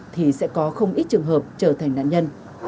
thì sẽ có không ít trường hợp trở thành nạn nhân